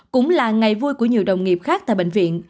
cũng là ngày vui của nhiều đồng nghiệp khác tại bệnh viện